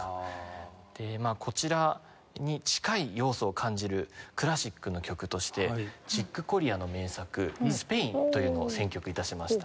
こちらに近い要素を感じるクラシックの曲としてチック・コリアの名作『スペイン』というのを選曲致しました。